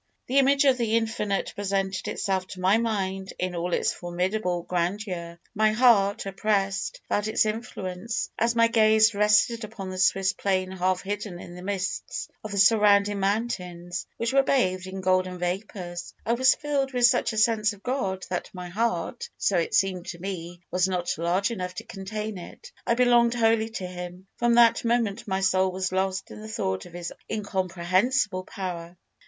"The image of the Infinite presented itself to my mind in all its formidable grandeur. My heart, oppressed, felt its influence, as my gaze rested upon the Swiss plain half hidden in the mists of the surrounding mountains, which were bathed in golden vapours. I was filled with such a sense of God that my heart so it seemed to me was not large enough to contain it. I belonged wholly to Him. From that moment my soul was lost in the thought of His incomprehensible power.